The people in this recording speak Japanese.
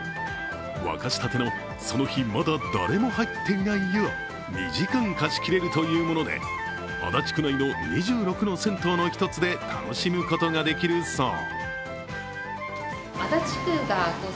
沸かしたての、その日まだ誰も入っていない湯を２時間貸し切れるというもので、足立区内の２６の銭湯の１つで楽しむことができるそう。